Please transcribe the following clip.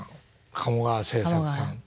鴨川清作さん。